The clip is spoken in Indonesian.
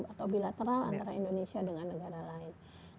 atau bilateral antara indonesia dengan negara lain